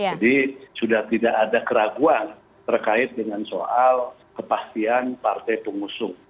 jadi sudah tidak ada keraguan terkait dengan soal kepastian partai pengusung